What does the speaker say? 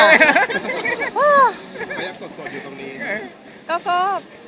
พยายามสดอยู่ตรงนี้ไง